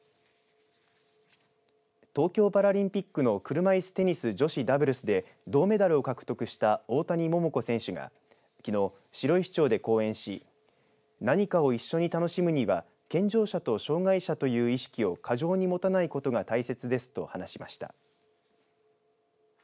東京パラリンピックの車いすテニス女子ダブルスで銅メダルを獲得した大谷桃子選手がきのう、白石町で講演し何かを一緒に楽しむには健常者と障害者という意識を過剰に持たないことが大切ですと話しました。